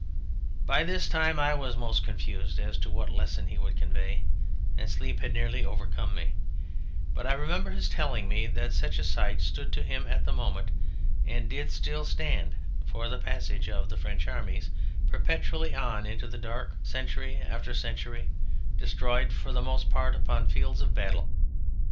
By this time I was most confused as to what lesson he would convey, and sleep had nearly overcome me, but I remember his telling me that such a sight stood to him at the moment and did still stand for the passage of the French Armies perpetually on into the dark, century after century, destroyed for the most part upon fields of battle.